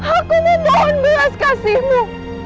aku memohon belas kasihmu